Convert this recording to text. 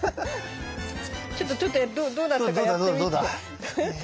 ちょっとちょっとどうだったかやってみて。